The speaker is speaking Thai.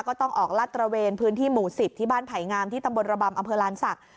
ก็ต้องออกลาดตระเวนพื้นที่หมู่๑๐ที่บ้านไผ่งามที่ตำบลระบำอำเภอลานศักดิ